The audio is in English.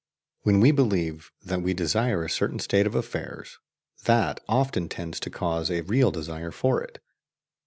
When we believe that we desire a certain state of affairs, that often tends to cause a real desire for it.